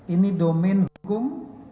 ini domen hukum